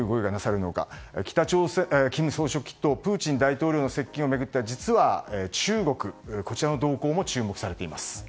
北朝鮮の金総書記とプーチン大統領の接近を巡って実は中国、こちらの動向も注目されています。